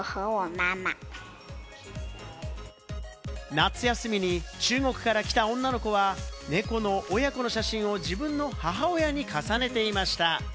夏休みに中国から来た女の子は猫の親子の写真を自分と母親に重ねていました。